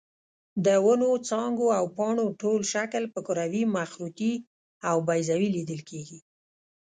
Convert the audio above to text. د ونو څانګو او پاڼو ټول شکل په کروي، مخروطي او بیضوي لیدل کېږي.